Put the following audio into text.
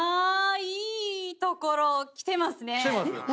いいところきてますね。